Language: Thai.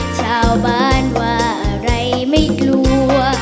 ชาวบ้านว่าอะไรไม่กลัว